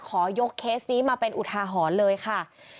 ขอยกเคสนี้มาเป็นอุทาหรณ์เลยค่ะ